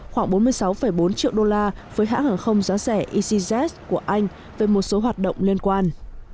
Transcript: khoảng bốn mươi sáu bốn triệu đô la với hãng hàng không giá rẻ ecz của anh về một số hoạt động liên quan